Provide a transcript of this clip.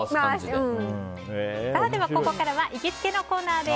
ここからは行きつけのコーナー。